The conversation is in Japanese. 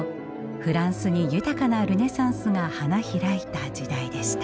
フランスに豊かなルネサンスが花開いた時代でした。